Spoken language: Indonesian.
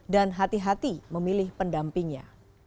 dan hati hati memilih pendampingnya